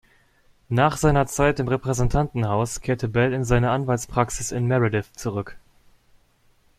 Nach seiner Zeit im Repräsentantenhaus kehrte Bell in seine Anwaltspraxis in Meredith zurück.